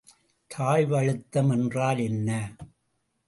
தாழ்வழுத்தம் என்றால் என்ன?